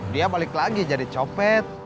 dia balik lagi jadi copet